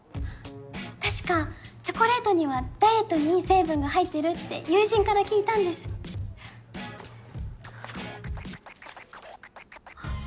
確かチョコレートにはダイエットにいい成分が入ってるって友人から聞いたんですあっ